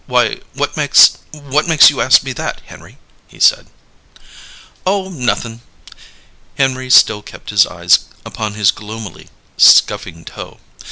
"Why, what makes what makes you ask me that, Henry?" he said. "Oh, nothin'." Henry still kept his eyes upon his gloomily scuffing toe.